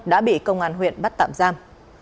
đã bị công an huyện bắt tạm giam